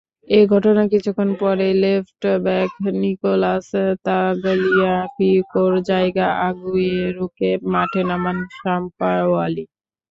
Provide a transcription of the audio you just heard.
এ ঘটনার কিছুক্ষণ পরেই লেফটব্যাক নিকোলাস তাগলিয়াফিকোর জায়গায় আগুয়েরোকে মাঠে নামান সাম্পাওলি।